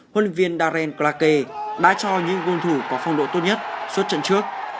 huấn luyện viên darren clarké đã cho những quân thủ có phong độ tốt nhất suốt trận trước